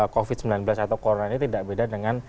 covid sembilan belas atau corona ini tidak beda dengan